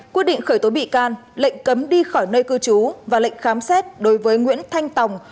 quyết định khởi tố bị can lệnh cấm đi khỏi nơi cư trú và lệnh khám xét đối với nguyễn thanh tòng